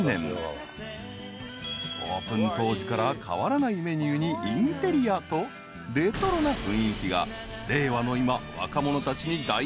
［オープン当時から変わらないメニューにインテリアとレトロな雰囲気が令和の今］